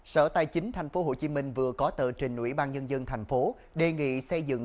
sở tài chính tp hcm vừa có tờ trình ủy ban nhân dân tp hcm đề nghị xây dựng